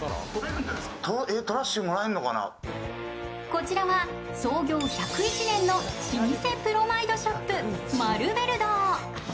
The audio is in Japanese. こちらは創業１０１年の老舗プロマイドショップ、マルベル堂。